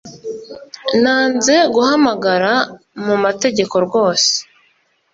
Nanze guhamagara mu mategeko rwose